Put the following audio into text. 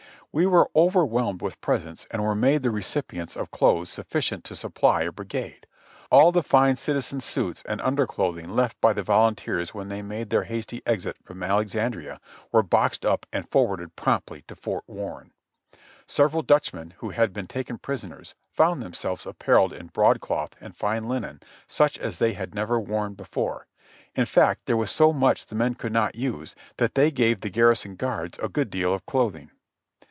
We were overwhelmed with presents and were made the recipients of clothes sufficient to supply a brigade. All the fine citizen suits and underclothing left by the volunteers when they made their hasty exit from Alexandria were boxed up and for warded promptly to Fort Warren. Several Dutchmen who had been taken prisoners found themselves apparelled in broadcloth and fine linen such as they had never worn before. In fact there was so much the men could not use that they gave the garrison guards a good deal of clothing.